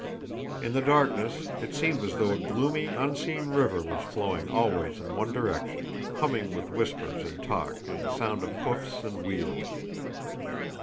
In the darkness, it seemed as though a gloomy unseen river was flowing always in one direction, humming with whispers and talk and the sound of hoofs and wheels.